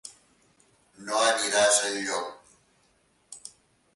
No aniràs enlloc.